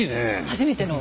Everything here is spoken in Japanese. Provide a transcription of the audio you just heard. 初めての。